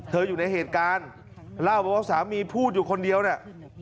อยู่ในเหตุการณ์เล่าบอกว่าสามีพูดอยู่คนเดียวเนี่ย